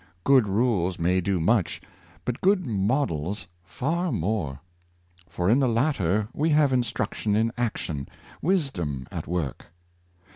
Good rules may do much, but good models far more; for in the latter we have instruction in action — wisdom at work.